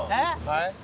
はい？